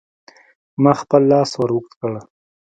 ما خپل لاس ور اوږد کړ.